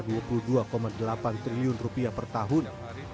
rp dua delapan triliun per tahun